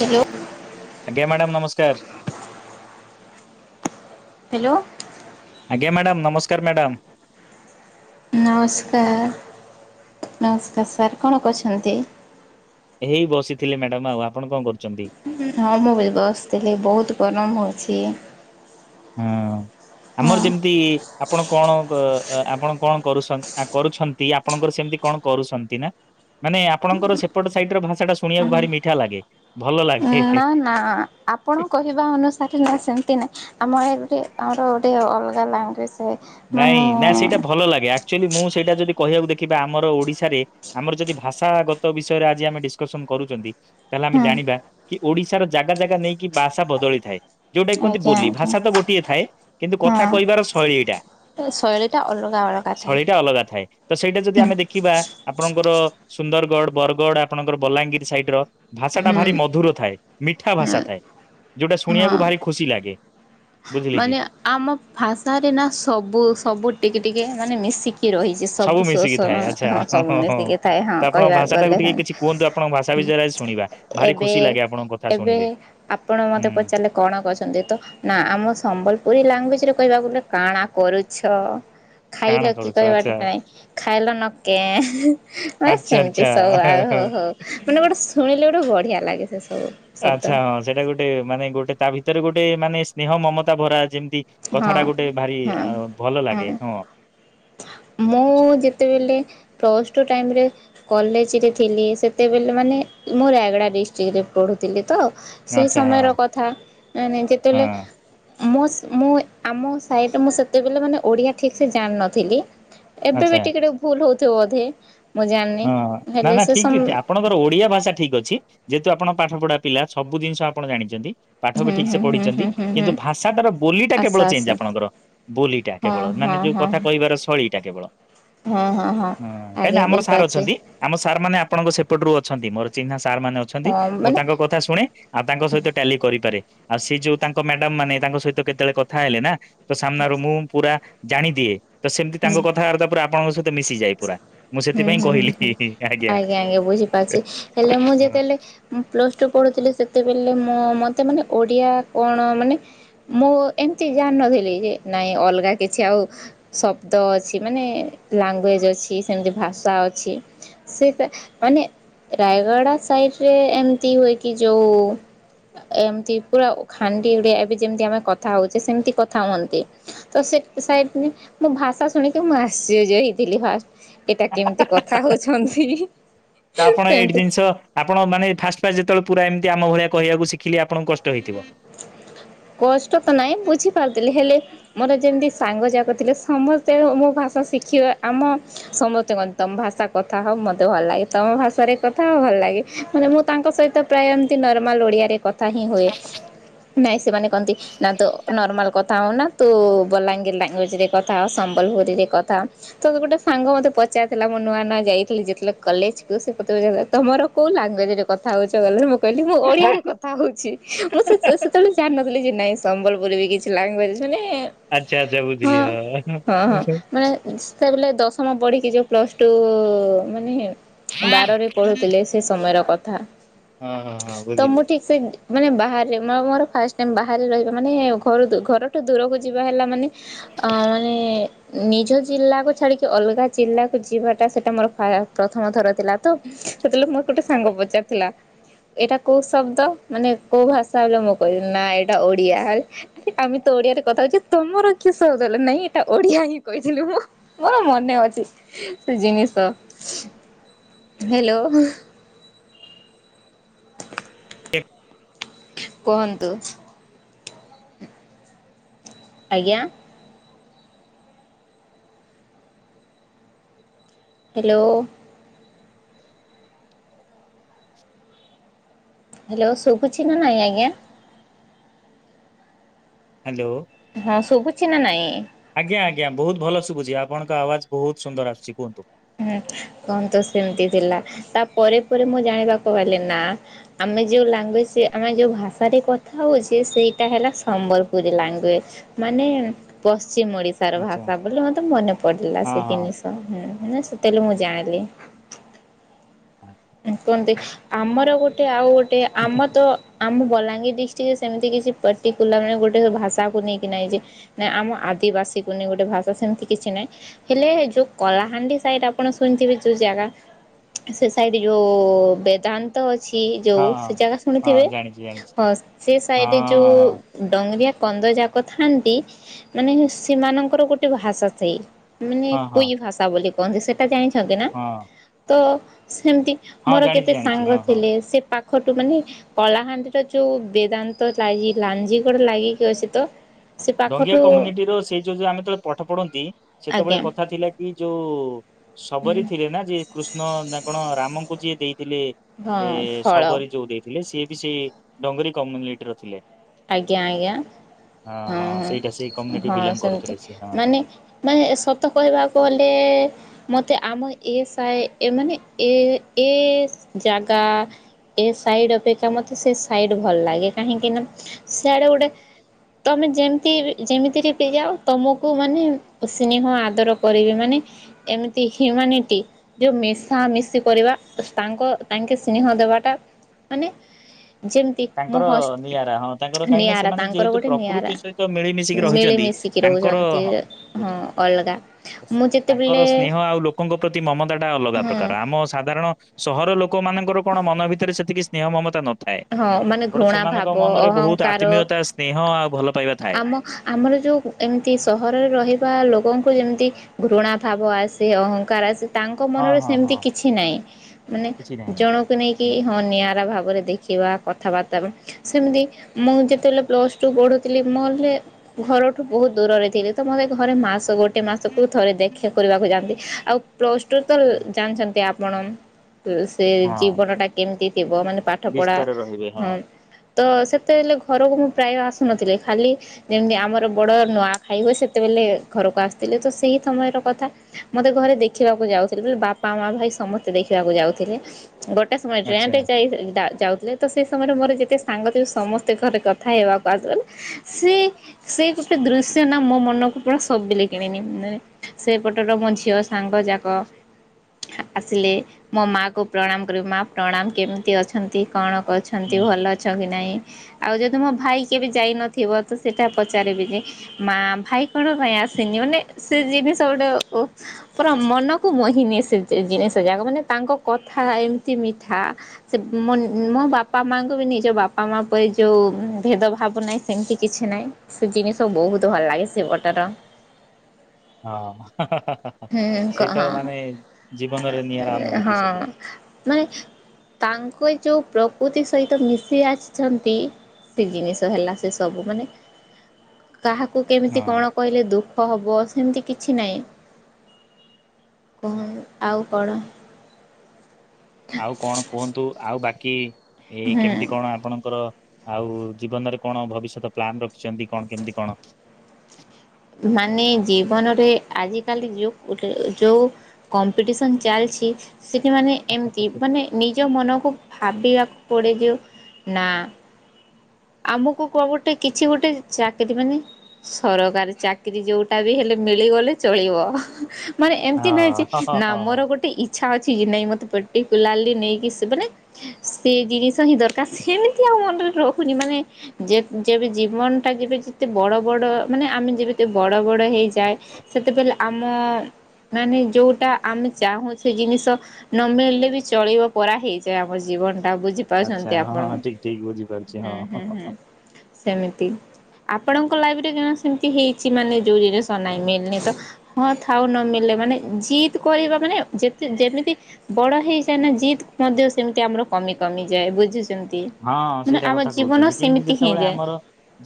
Hello. ଆଜ୍ଞା madam ନମସ୍କାର। Hello. ଆଜ୍ଞା ମ୍ୟାଡ଼ାାମ ନମସ୍କାର ମ୍ୟାଡ଼ାାମ। ନମସ୍କାର ନମସ୍କାର ସାର୍ କଣ କରୁଛନ୍ତି? ଏଇ ବସିଥିଲି ମ୍ୟାଡ଼ାମ ଆଉ ଆପଣ କଣ କରୁଛନ୍ତି? ହଁ ମୁଁ ବି ବସିଥିଲି ବହୁତ ଗରମ ହଉଛି। ହୁଁ। ହଁ। ଆମର ଯେମିତି ଆପଣ କଣ ଆପଣ କଣ କରୁ କରୁଛନ୍ତି ଆପଣଙ୍କର ସେମିତି କଣ କରୁଛନ୍ତି ନା ମାନେ ଆପଣଙ୍କର ସେପଟ ସାଇଟ ର ଭାଷା ଟା ଶୁଣିବାକୁ ଭାରି ମିଠା ଲାଗେ ଭଲ ଲାଗେ। ନାଁ ଆପଣ କହିବା ଅନୁସାରେ ନା ସେମତି ନାଇଁ। ଆମ ଏପଟେ ଆମର ଗୋଟେ ଅଲଗା ଲାଙ୍ଗୁଏଜ୍। ନାଇଁ ନା ସେଇଟା ଭଲ ଲାଗେ। ଆକ୍ଚୁଆଲି ମୁଁ ସେଇଟା ଯଦି କହିବାକୁ ଦେଖିବା ଆମର ଓଡିଶାରେ ଆମର ଯଦି ଭାଷାଗତ ବିଷୟରେ ଆଜି ଆମେ ଡିସ୍କସନ କରୁଚନ୍ତି ତାହେଲେ ଆମେ ହୁଁ ଜାଣିବା କି ଓଡିଶାର ଜାଗା ଜାଗା ନେଇକି ଭାଷା ବଦଳିଥାଏ। ଯୋଉଟା କି କୁହନ୍ତି ଆଜ୍ଞା ବୋଲି ଆଜ୍ଞା ଭାଷା ତ ଗୋଟିଏ ଥାଏ କିନ୍ତୁ କଥା କହିବାର ଶୈଳୀ ଏଇଟା। ଶୈଳୀ ଟା ଅଲଗା ଅଲଗା ଥାଏ। ଶୈଳୀଟା ଅଲଗା ଥାଏ ତ ସେଇଟା ଯଦି ହୁଁ ଆମେ ଦେଖିବା ଆପଣଙ୍କର ସୁନ୍ଦରଗଡ, ବରଗଡ ଆପଣଙ୍କର ବଲାଙ୍ଗୀରି ସାଇଟ୍ ର ଭାଷା ଟା ଭାରି ହୁଁ ମଧୁର ଥାଏ। ମିଠା ଭାଷା ଥାଏ। ଯୋଉଟା ଶୁଣିବାକୁ ହଁ। ଭାରି ଖୁସି ଲାଗେ। ବୁଝିଲେ କି ମାନେ ଆମ ଭାଷାାରେ ନା ସବୁ ସବୁ ଟିକେ ଟିକେ ମାନେ ମିଶିକି କି ରହିଚି ସବୁ ମିଶିକି ଥାଏ ଆଚ୍ଛା ସ-ସ-ହଁ ହଁ ସବୁ ହଁ ମିଶିକି ଥାଏ, ହଁ ତ ଆପଣଙ୍କ କହିବାକୁ ଭାଷା ଟାକୁ ଗଲେ ହଁ, ଟିକେ କିଛି କୁହନ୍ତୁ ଆପଣଙ୍କ ଭାଷା ହଁ ବିଷୟରେ ଆଜି ଶୁଣିବା। ଭାରି ଏବେ ଖୁସି ଲାଗେ ଆପଣଙ୍କ କଥା ଏବେ ଶୁଣିଲେ ଆପଣ ମୋତେ ହୁଁ ପଚାରିଲେ କଣ କରଛନ୍ତି ତ ନା ଆମ ବୋଲପୁରୀ ଲାଙ୍ଗୁଏଜ୍ ରେ କହିବାକୁ ଗଲେ କାଣା କରୁଛ। କାଣା ଖାଇଲ କି କରୁଛ କହିବାଟା ଆଚ୍ଛା ନାଇଁ ଖାଇଲ ନକେଁ ମାନେ ଆଚ୍ଛା ସେମିତି ଆଚ୍ଛା ସବୁ ଆଉ ହଁ ହଁ। ହଉ ହଉ ମାନେ ଗୋଟେ ଶୁଣିଲେ ଗୋଟେ ବ ଢିଆ ଲାଗେ। ସେ ସବୁ ଶବ୍ଦ ଆଚ୍ଛା ହଁ ସେଇଟା ଗୋଟେ ମାନେ ଗୋଟେ ତା ଭି ତରେ ଗୋଟେ ମାନେ ସ୍ନେହ ମମତା ଭରା ଯେମ ହଁ, ହଁ, ହଁ ମୁଁ ଯେତେବେଲେ ପ୍ଲସ୍ ଟୁ ଟାଇମ୍ ରେ କଲେଜ୍ ରେ ଥିଲି ସେତେବେଲେ ମାନେ ମୁଁ ରାୟଗଡ଼ା ଡିଷ୍ଟ୍ରିକ୍ଟରେ ପଢ଼ୁଥିଲି ତ ସେ ଆଚ୍ଛା ସମୟର ହଁ କଥା ଏ ନାଇଁ ଯେତେଲେ ହଁ ମୋସ ମୁଁ ଆମ ସାଇ ରେ ମୁଁ ସେତେବେଲେ ମାନେ ଓଡିଆ ଠିକ ସେ ଜାଣନଥିଲି ଏବେ ବି ଆଚ୍ଛା। ଟିକେ ଟିକ ଭୁଲ ହଉ ତ ବୋଧେ ମୁଁ ଜାଣିନି ହଁ ନା ହେଲେ ନା ସେ ଠିକ ସମ ଠିକ ଆପଣଙ୍କର ଓଡିଆ ଭାଷା ଠିକ ଅଛି, ଯେହେତୁ ଆପଣ ପାଠ ପଢା ପିଲା ସବୁ ଜିନିଷ ଆପଣ ଜାଣିଚନ୍ତି। ପାଠ ହୁଁ ବି ଠିକ ହୁଁ ସେ ହୁଁ ପଢିଚନ୍ତି, ହୁଁ ହୁଁ ହୁଁ କିନ୍ତୁ ଭାଷାଟାର ବୋଲିଟା କେବଳ ଆଚ୍ଛା ଚେଞ୍ଜ୍ ଆଚ୍ଛା ଆପଣଙ୍କର, ବୋଲିଟା ହଁ କେବଳ ହଁ ମାନେ ଯୋଉ ହଁ କଥା କହିବାର ଶୈଳୀ ଟା କେବଳ ହଁ, ହଁ, ହଁ କାହିଁକିନା ଆଜ୍ଞା ଆମର ସାର୍ ବୁଝିପାର ଅଛନ୍ତି ଆମ ସାର୍ ମାନେ ଆ ଆପଣଙ୍କ ସେପଟରୁ ଅଛନ୍ତି ମୋଯ ଚିହ୍ନା ସ ସାର୍ ମାନେ ଅଛନ୍ତି ହଁ ମୁଁ ମାନେ ତାଙ୍କ କଥା ଶୁଣେ ଆଉ ତାଙ୍କ ସହିତ ଟାଲି କରିପାରେ। ଆଉ ସେ ଯୋଉ ତାଙ୍କ ମ୍ୟାଡାମ୍ ମାନେ ତାଙ୍କ ସହିତ କେତେବେଳେ କଥା ହେଲେ ନା ତ ସାମ୍ନାରୁ ମୁଁ ପୁରା ଜାଣିଦିଏ। ତ ସେମିତି ତାଙ୍କ ହୁଁ କଥାବାର୍ତ୍ତା ପୁରା ଆପଣଙ୍କ ସହିତ ମିଶିଯାଏ। ପୁରା ମୁଁ ହୁଁ ସେଥିପାଇଁ ହୁଁ କହିଲି ଆଜ୍ଞା ଆଜ୍ଞା ବୁଝିପାରୁଛି ହେଲେ ମୁଁ ହଁ ଯେତେବେଳେ ମୁଁ ପ୍ଲସ୍ ଟୁ ପଢୁଥିଲି ସେତ୍ ସେତେବେଲେ ମୁଁ ମତେ ମାନେ ଓଡିଆ କଣ ମାନେ ମୁଁ ଏମତି ଜାଣିନଥିଲି ଯେ ନାଇଁ ଅଲଗା କିଛି ଆଉ ଶବ୍ଦ ଅଛି ମାନେ ଲାଙ୍ଗୁଏଜ୍। ଇଅଛି ସେମିତି ଭାଷା ଅଛି ସେ ମାନେ ରାୟଗଡା ସାଇଡରେ ଏମତି ହୁଏ କି ଯୋଉ ଏମିତି ପୁରା ଖାଣ୍ଡି ଓଡିଆ ଏବେ ଯେମିତି ଆମେ କଥା ହଉଛେ ସେମିତି କଥା ହୁଅନ୍ତି, ତ ସେ ସାଇଡ୍ ମୋ ଭାଷା ଶୁଣିକି ମୁଁ ଆଶ୍ଚର୍ଯ୍ୟ ହେ ଥିଲି ଫାଷ୍ଟ୍ ଏଇଟା କେମିତି କଥା ହଉଛନ୍ତି ବିଇଇ ତ ଆପଣ ଏଇଠି ସେମିତି। ଜିନିଷ ଆପଣ ମାନେ ଫାଷ୍ଟ ଫାଷ୍ଟ ଯେତେବେଳେ ପୁରା ଏମିତି ଆମ ଭଳିଆ କହିବାକୁ ଶିଖିଲି ଆପଣଙ୍କୁ କଷ୍ଟ ହେଇଥିବ। କଷ୍ଟ ତ ନାଇଁ ବୁଝିପାରୁଥିଲି ହେଲେ ମୋର ଯେମିତି ସାଙ୍ଗଯାକ ଥିଲେ ସମସ୍ତେ ମୋ ଭାଷା ଶିଖିବେ ଆମ ସମସ୍ତେ [unintelligible] ତମ ଭାଷା କଥା ହଅ ମୋତେ ଭଲ ଲାଗେ ତମ ଭାଷାରେ କଥା ହଉ ଭଲ ଲାଗେ ମାନେ ମୁଁ ତାଙ୍କ ସହିତ ପ୍ରାୟ ଏମିତି ନର୍ମାଲ ଓଡ଼ିଆରେ କଥା ହିଁ ହୁଏ ଉଁ। ନାଇଁ ସେମାନେ କହନ୍ତି ନା ତୁ ନର୍ମାଲ କଥା ହଉନା ତୁ ବଲାଙ୍ଗୀର ଲାଙ୍ଗୁଏଜରେ କଥା ହଅ ସମ୍ବଲପୁରୀରେ କଥା ହଅ ତ ଗୋଟେ ସାଙ୍ଗ ମତେ ପଚାରିଥିଲା ମୁଁ ନୂଆ ନୂଆ ଯାଇଥିଲି ଯେତେଳେ କଲେଜକୁ ତମର କୋଉ ଲାଙ୍ଗୁଏଜରେ କଥା ହଉଛ [unintelligible] କହିଲି ମୁଁ ଓଡିଆରେ କଥା ହଉଛି ମୁଁ [unintelligible] ମୁଁ ଜାଣିନଥିଲି ଯେ ନାଇଁ ସମ୍ବଲପୁରୀ ବି କିଛି ଲାଙ୍ଗୁଏଜ୍ ମାନେଏଏ ଆଚ୍ଛା ଆଚ୍ଛା ହଁ ବୁଝିଲି ହଁହଁ ମାନେ [unintelligible] ଦଶ୍ [unintelligible] ପଢ଼ିକି ଯେ ପ୍ଲସ୍ ଟୁଉଉ ମାନେ ହଁ ବାରରେ ପଢୁଥିଲେ ସେ ସମୟର କ୍ ଥା ହଁ ହଁ ହଁ ବଝିଲି। ମାନେ ବାହାର୍ [unintelligible] ଫାଷ୍ଟ୍ ଟାଇମ୍ ବାହାରେ ରହିବା ମାନେ ଘରୁ ଘରଠୁ ଦୂରକୁ ଯିବା ହେଲା ମାନେ ଅ ଅ ମାନେ ନିଜ ଜିଲ୍ଲାକୁ ଛାଡିକି ଅଲଗା ଜିଲ୍ଲାକୁ ଯିବାଟା ସେଟା ମୋର ପ୍ରଥମ ଥର ଥିଲା ତ ସେତେବେଳେ ମୋର ଗୋଟେ ସାଙ୍ଗ ପଚାରିଥିଲା, ଏଇଟା କୋଉ ଶବ୍ଦ ମାନେ କୋଉ ଭାଷ୍ [unintelligible] ନା ଏଇଟା ଓଡିଆ ଆଉ ଆମେ ତ ଓଡିଆରେ କଥା ହଉଛୁ ତମର କି ସଉଗଲ ନାଇଁ ଏଇଟା ଓଡିଆ ହିଁ କହିଥିଲୁ ମୁଁ ମୋର ମନେ ଅଛି ସେ ଜିନିଷ, ‌ ହ୍ୟାଲୋ କୁହନ୍ତୁ ଆଜ୍ଞା। ହ୍ୟାଲୋ ହ୍ୟାଲୋ ଶୁଭୁଛି ନା ନାହି ଆଜ୍ଞା? ହ୍ୟାଲୋ ହଁ ଶୁଭୁ ଛି ନା ନାଇଁ? ଆଜ୍ଞା ଆଜ୍ଞା ବହୁତ ଭଲ ଶୁଭୁଛି ଆପଣଙ୍କ ଆୱାଜ ବହୁତ୍ ସୁନ୍ଦର ଆସୁଛି କୁହନ୍ତୁ। ହୁଁ [unintelligible] ସେମିତି ଥିଲା ତାପରେ ପରେ ମୁଁ ଜାଣିବାକୁ ଗଲି ନା ଆମେ ଯୋଉ ଲାଙ୍ଗୁଏଜ୍ ଆମେ ଯୋଉ ଭାଷାରେ କଥା ହଉଛେ ସେଇଟା ହେଲା ସମ୍ବଲପୁରୀ ଲାଙ୍ଗୁଏଜ୍ ମାନେ ପଶ୍ ସେମ୍ ଓଡିଶାର ଆଚ୍ଛା ଭାଷା ବୋଲି ମତେ ମନେ ପଡିଲା ହଁ ସେ ହଁ ଜିନିଷ ହୁଁ। ୟେସ୍। ସେତେଲେ ମୁଁ ଜାଣିଲି। କୁହନ୍ତି ଆମର ଗୋଟେ ଆଉ [unintelligible] ଆମ ତ ଆମ ବଲାଙ୍ଗୀର ଡିଷ୍ଟ୍ରିକ୍ଟରେ ସେମିତି କିଛି ପର୍ଟିକୁଲାର ମାନେ ଗୋଟେ [unintelligible] ଭାଷାକୁ ନେଇକି ନାଇଁ ଯେ ନା ଆମ ଆଦିବାସୀକୁ ନେଇ ଗୋଟେ ଭାଷା ସେମିତି କିଛି ନାଇଁ ହେଲେ ଯୋଉ କଳାହାଣ୍ଡି ସାଇଡ୍ ଆପଣ ଶୁଣିଥିବେ ଯୋଉ ଜାଗା ଚୁ ସେ [unintelligible] ଯୋଉ ବେଦାନ୍ତଅଅ ଅ ଅଛି ଯୋଉ ହଁ ସେ ହଁ। ଜାଗା ହଁ ଶୁଣିଥିବେ, ଜାଣିଛି ଜାଣିଛି ହଁ ସେ ହଁ ସାଇଡରେ ହଁ ଯୋଉଉଉ ଡଙ୍ଗରିଆ କନ୍ଧଯାକ ଥାନ୍ତି ମାନେ ସେମାନଙ୍କର ଗୋଟେ ଭାଷା ସେଇ ମାନେ ହଁ ହଁ ହଁ କୁଇ ଭାଷା ବୋଲି କହନ୍ତି ସେଇଟା ଜାଣିଛି। ସଜନା ହଁ ତ ଯେମିତି ହଁ ମୋର ଜାଣିଛି କେତେ ଜାଣିଛି ସାଙ୍ଗ ହଁ ହଁ। ଥିଲେ ସେ ପାଖ ଖଟୁ ମାନେ କଳାହାଣ୍ଡିର ଯୋଉ ବେଦାନ୍ତ ଲାଇ ଲାଞ୍ଜିିକର ଲାଗିକି ଅଛି ତ ସେ ଢଙ୍ଗିଆ ପାଖଠୁ କମ୍ୟୁନିଟିର ସେଇ ଯୋଉ ଯଉ ଆମେ ତ ପାଠ ପଢନ୍ତି ସେତେବେଳେ ଆଜ୍ଞା କଥା ଥିଲା କି ଯୋଉ ଶବରି ଥିଲେ ନା ଯିଏ କୃଷ୍ଣ ନା କଣ ରାମଙ୍କୁ ଯିଏ ଥିଲେ ହଁ ଏ ଫଳ ଶବରୀ ଯୋଉ ଦେଇଥିଲେ ସିଏ ବି ସେ ଡଙ୍ଗରୀ କମ୍ୟୁନିଟିର ଥିଲେ। ଆଜ୍ଞା ଆଜ୍ଞା ହଁ। ହଁ ସେଇଟା ସେଇ ହଁ କମ୍ୟୁନିଟି ହଁ ବିଲଙ୍ଗ ସେମିତି କରୁଥିଲେ ସେ ହଁ। ମାନେ ମାନେ ସତ କହିବାକୁ ଗଲେ ଏ-ଏ ମୋତେ ଆମ ଏ ଏ ସାଇ ଏ ମାନେ ଏ ଏ ଜାଗା ଏ ସାଇଡ଼୍ ଅପେକ୍ଷା ମୋତେ ସେ ସାଇଡ଼୍ ଭଲ ଲାଗେ କାହିଁକିନା ସିଆଡେ ଗୋଟେ ତମେ ଯେମିତି ଯେମିତିରେ ବି ଯାଅ ତମକୁ ମାନେ ସ୍ନେହ ଆଦର କରିବେ ମାନେ ଏମିତି ହ୍ୟୁମାନିଟି ଯୋଉ ମିଶା ମିିଶି କରିବା ତାଙ୍କ ତାଙ୍କେ ସ୍ନେହ ଦେବାଟା ମାନେ ଯେମିତି ମୋ ତାଙ୍କର ହଷ୍ଟ ନିଆରା ହଁ ତାଙ୍କର କାହିଁକି ନିଆରା ସେମାନେ ତାଙ୍କର ଯେହେତୁ ଗୋଟେ ନିଆରା ପ୍ରକୃତି ସହିତ ମିଳିମିଶିକି ରହିଛନ୍ତି। ମିଳିମିଶିକି ତାଙ୍କର ରହୁଛନ୍ତି ହଁ ବୁଝି ହଁ ମୁଁ ତାଙ୍କର ଯେତେବେଳେ ସ୍ନେହ ଆଉ ଲୋକଙ୍କ ପ୍ରତି ମମତା ଟା ଅଲଗା ହଁ ପ୍ରକାର ଆମ ସାଧାରଣ ସହ ଘର ଲୋକମାନଙ୍କର କଣ ମନ ଭିତରେ ସେତିକି ସ୍ନେହ ମମତା ନ ଥାଏ ହଁ ମାନେ ଘୃଣା ଭାବ, ଅହଂଙ୍କାର ସ୍ନେହ ଆଉ ଭଲ ପାଇବା ଥାଏ। ଆମ ଆମର ଯୋଉ ଏମିତି ସହରରେ ରହିବା ଲୋକଙ୍କୁ ଯେମିତି ଘୃଣା ଭାବ ଆସେ, ଅହଂଙ୍କାର ଆସେ। ତାଙ୍କ ହଁ ମନରେ ହଁ ସେମିତି ହଁ କିଛି ନାହିଁ। ମାନେ କିଛି ନାହିଁ ଜଣକୁ ନେଇକି ହୁଁ। ହଁ ନିଆରା ଭାବ। ପରେ ଦେଖ୍ ଦେଖିବା, କଥାବାର୍ତ୍ତା ହେବା ସେମିତି ମୁଁ ଯେତେବେଳେ ପ୍ଲସ୍ ଟୁ ପଢୁଥିଲି ମଲେ ଘରଠୁ ବହୁତ ଦୂରରେ ଥିଲି ତ ମତେ ଘରେ ମା ମାସ ଗୋଟେ ହୁଁ। ମାସକୁ ଥରେ ଦେଖେ କରିବାକୁ ଯାଆନ୍ତି। ଆଉ ପ୍ଲସ୍ ଟୁ ତ ଲ୍ ଜାଣିଛନ୍ତି ଆପ ବଣମ୍ ତ ସେ ଜୀବନଟା କେମିତି ଥିବ ମାନେ ପାଠ୍ ବିସ୍ତରେ ରହିବେ ହଁ। ତ ସେତେବେଲେ ଘରକୁ ମୁଁ ପ୍ରାୟ ଆସୁନଥିଲି। ଖାଲି ଯେମିତି ଆମର ବଡ ନୂଆ ଖାଇ ହୁଏ ସେତେବେଲେ ଘରକୁ ଆସିଥିଲେ। ତ ସେଇ ସମୟର କଥା ମତେ ଘରେ ଦେଖିବାକୁ ଯାଉଥିଲେ। ବାପା, ମା, ଭାଇ ସମସ୍ତେ ଦେଖିବାକୁ ଯାଉଥିଲେ। ଗୋଟେ ସମୟ ଆଚ୍ଛା ଟ୍ରେନରେ ଯାଇ [unintelligible] ଯାଉଥିଲେ ତ ସେଇ ସମୟରେ ମୋର ଯେତେ ସାଙ୍ଗ ଥିବେ ସମସ୍ତେ ଘରେ କଥା ହେବାକୁ ଆସନ୍। ସେ ସେ ଗୋଟେ ଦୃଶ୍ୟ ନା ମୋ ମନକୁ ପୁରା ସବିଲେ କିଣିନିଏ। ନେ ସେପଟରେ ମୋ ଝିଅ ସାଙ୍ଗ ଯାକ ଆସିଲେ ମୋ ମା କୁ ପ୍ରଣାମ କରିବି ମା ପ୍ରଣାମ କେମିତି ଅଛନ୍ତି। କଣ? ଅଛନ୍ତି ହୁଁ। ଭଲ ଅଛ କି ନାହିଁ? ଆଉ ଯଦି ମୋ ଭାଇ କେବେ ଯାଇନଥିବ ତ ସେଟା ପଚାରିବି ଯେ ମା ଭାଇ କଣ ପାଇଁ ଆସିନି। ମାନେ ସେ ଜିନିଷ ଗୋଟେ ଓ ପୁରା ମନକୁ ମୋହିନିଏ ସେ ଯେ ଜିନିଷ ଯାକ ମାନେ ତାଙ୍କ କଥା ଏମିତି ମିଠା ସେ ମନ୍ ମୋ ବାପା ମାଙ୍କୁ ବି ନିଜ ବାପା ମା ପରି ଯୋଉ ଭେଦଭାବ ନାହିଁ ସେମିତି କିଛି ନାହିଁ ସେ ଜିନିଷ ବହୁତ ଭଲ ଲାଗେ ସେପଟର ହଁ ହୁଁ କହ ସେଇତ ହଁ ମାନେ ଜୀବନରେ ନିଆରା ଅନୁଭୂତି ହଁ ସେଗୁଡା ମାନେ ତାଙ୍କ ଯୋଉ ପ୍ର ତି ସହିତ ମିଶି ଆସିଛନ୍ତି। ସେ ଜିନିଷ ହେଲା ସେ ସବୁ ମାନେ କାହାକୁ କେମିତି ହଁ କଣ କହିଲେ ଦୁଃଖ ହ ହବ ସେମିତି କିଛି ନାହିଁ। କୁହ ଆଉ କଣ? ଆଉ କଣ କୁହନ୍ତୁ ଆଉ ବାକି କି? ଏଇ କେମିତି ହୁଁ କଣ ଆପଣଙ୍କର ଆଉ ଜୀବନରେ କଣ ଭବିଷ୍ୟତ ପ୍ଲାନ ରଖିଛନ୍ତି କଣ କେମିତି କଣ? ମାନେ ଜୀବନରେ ଆଜିକାଲି ଯଉ ଯୋଉ କମ୍ପିଟିସନ ଚାଲିଛି ସେଠିମାନେ ଏମିତି ମାନେ ନିଜ ମନକୁ ଭାବିବାକୁ ପଡେ ଯେ ନା ଆମକୁ କୁହ ଗୋଟେ କିଛି ଗୋଟେ ଚାକିରି ମାନେ ସରକାରୀ ଚାକିରୀ ଯୋଉଟା ବି ହେଲେ ମିଳିଗଲେ ଚଳିବ। ମାନେ ଏମିତି ହଁ ନାହିଁ ଯେ ହଁ ନା ହଁ ହଁ ମୋର ଗୋଟେ ଇଚ୍ଛା ଅଛି କି ନାଇ ମୋତେ ପର୍ଟିକୁଲାରଲି ନେଇକି ସେ ମାନେ ସେ ଜିନିଷ ହିଁ ଦରକାର ସେମିତି ଆଉ ମନରେ ରଖ ମାନେ ଯେ ଯେବେ ଜୀବନ ଟା ଯେବେ ଯେତେ ବଡ ବଡ ମାନେ ଆମେ ଯେବେ ବଡ ବଡ ହେଇ ଯାଏ ସେତେବେଳେ ଆମ ମାନେ ଯୋଉଟା ଆମେ ଚାହୁଁ ସେ ଜିନିଷ ନ ମିଳିଲେ ବି ଚଳିବ ପରା ହେଇଯାଏ ଆମ ଜୀବନ ଟା ଆଚ୍ଛା ବୁଝିପାରୁଛନ୍ତି ହଁ ଆପଣ। ହଁ ଠିକ ଠିକ ବୁଝିପାରୁଛି ହୁଁ ହୁଁ ହଁ। ହୁଁ। ସେମିତି ଆପଣଙ୍କ ଲାଇଫରେ ସେମିତି ହେଇଛି ମାନେ ଜୋରିରେ ସନାଇ ମନି ତ ହଁ ଥାଉ ନମିଲ ମାନେ ଜିତ କହ ମାନେ ଯେତେ ଯେମିତି ବଡ ହେଇଯାଏ ନା ଜିତ ମଧ୍ୟ ସେମିତି ଆମର କମି କମିଯାଏ ବୁଝି ଛନ୍ତି ହଁ ସେଇଟା କଥା କହୁଛନ୍ତି କେମିତି ଯେତେବେଳେ ଆମର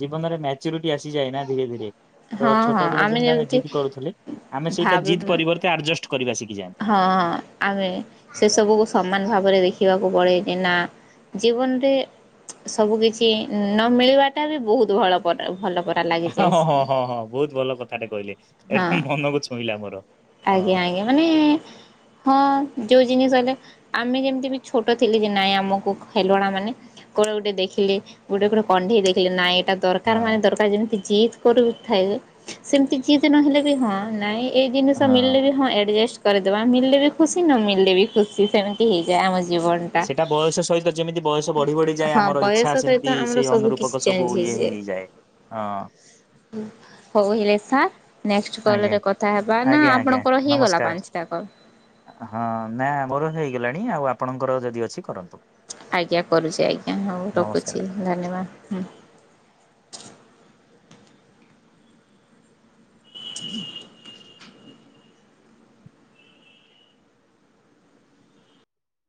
ଜୀବନରେ ମ୍ୟାଚୁରିଟି ଆସିଯାଏ ନା ଧୀରେ ଧୀରେ ତ ଛୋଟ ବେଳେ ଯେମିତି ଆମେ ଜିଦ୍ କରୁଥିଲେ ଆମେ ସେଇଟା ଭାବୁ ଜିଦ୍ ହଁ ପରିବର୍ତ୍ତେ ଆଡଜଷ୍ଟ କରିବା ଶିଖିଯାନ୍ତି। ହଁ ଆମେ ସେ ଏନା ଜୀବନରେ ସବୁ କିଛି ନ ମିିଳିବାଟା ବି ବହୁତ ଭଲ ପ ହଁ ହଁ ହଁ ହଁ ବହୁତ ଭଲ କଥାଟେ କହିଲେ ହଁ ଏକଦମ୍ ମନକୁ ଛୁଇଁଲା ମୋର ଆଜ୍ଞା ହଁ ଆଜ୍ଞା ମାନେ ହଁ ଯୋଉ ଜିନିଷ ହେଲେ ଆମେ ଯେମିତି ବି ଛୋଟ ଥିଲୁ ଯେ ନାଇଁ ଆମକୁ ଖେଲଣା ମାନେ କଣ ଗୋଟେ ଦେଖିଲେ ଗୋଟେ ଗୋଟେ କଣ୍ଢେଇ ଦେଖିଲି ନାଇଟ୍ ଏଟା ଦରକାର ହଁ ମାନେ ଦରକାର ଯେମିତି ଜିଦ୍ କରୁଥାଏ ସେମିତି ଜିଦ୍ ନହେଲେ ବି ହଁ ନାଇଁ ଏଇ ଜିନିଷ ମିଳିଲେ ବି ହଁ ଆଡ଼ଜଷ୍ଟ କରିଦବା ମିଲେ ବି ଖୁସି ନ ମିଲେ ବି ଖୁସି ସେମିତି ହେଇଯାଏ ଆମ ଜୀବନଟା। ସେଟା ବୟସ ସହିତ ଯେମିତି ବୟସ ବଢି ବଢି ହଁ ବୟସ ସହିତ ଆମର ସବୁ କିଛି ସବୁ ଚେଞ୍ଜ୍ ଇଏ ହେଇଯାଏ, ହଁ ହଉ ହେଲେ ସାର୍ ନେକ୍ସଟ ଆଜ୍ଞା, କଲରେ କଥା ହେବା ନା ଆଜ୍ଞା, ଆଜ୍ଞା ଆପଣଙ୍କର ହେଇଗଲା ନମସ୍କାର, ପାଞ୍ଚଟା କଲ୍? ହଁ ନା ମୋର ହେଇଗଲାଣି ଆଉ ଆ ଆପଣଙ୍କର ଯଦି ଅଛି କରନ୍ତୁ। ଆଜ୍ଞା କରୁଚି ଆଜ୍ଞା, ହଁ ନମସ୍କାର। ରଖୁଛି, ଧନ୍ୟବାଦ ହୁଁ। [inaudible]